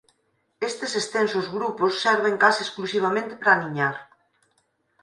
Estes extensos grupos serven case exclusivamente para aniñar.